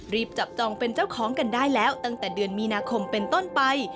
จับจองเป็นเจ้าของกันได้แล้วตั้งแต่เดือนมีนาคมเป็นต้นไป